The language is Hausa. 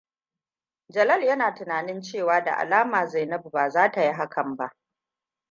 Jalal yana tunanin cewa da alama Zainabtu ba za ta yi hakan ba.